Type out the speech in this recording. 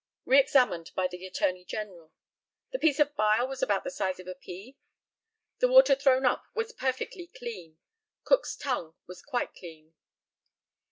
Re examined by the ATTORNEY GENERAL: The piece of bile was about the size of a pea? The water thrown up was perfectly clean. Cook's tongue was quite clean.